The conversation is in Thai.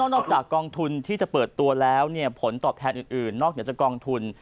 นอกจากกองทุนที่จะเปิดตัวแล้วเนี่ยผลต่อแทนอื่นนอกจากกองทุน